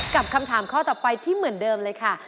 กับคำถามข้อต่อไปที่เหมือนเดิมเลยค่ะ